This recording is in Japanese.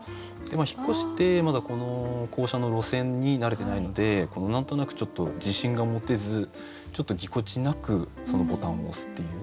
引っ越してまだこの降車の路線に慣れてないのでこの何となくちょっと自信が持てずちょっとぎこちなくそのボタンを押すっていう。